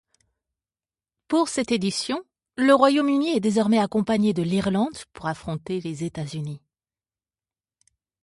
Pour cette édition, le Royaume-Uni est désormais accompagné de l'Irlande pour affronter les États-Unis.